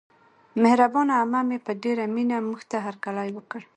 مهربانه عمه مې په ډېره مینه موږته هرکلی وکړ.